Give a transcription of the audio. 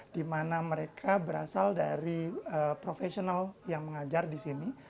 dimana mereka berasal dari profesional yang mengajar disini